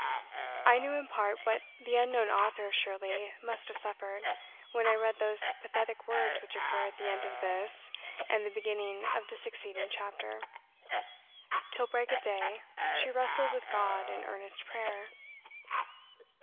I knew in part what the unknown author of "Shirley" must have suffered, when I read those pathetic words which occur at the end of this and the beginning of the succeeding chapter: "Till break of day, she wrestled with God in earnest prayer.